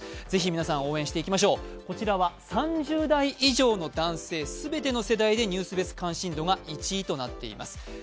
ぜひ皆さん、応援していきましょうこちらは３０代以上の男性全てでニュース別関心度が１位となっています。